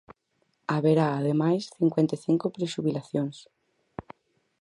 Haberá, ademais, cincuenta e cinco prexubilacións.